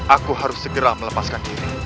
aku harus segera melepaskan ini